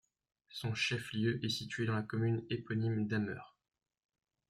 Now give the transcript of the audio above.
Son chef-lieu est situé dans la commune éponyme d'Ameur.